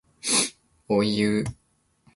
おいう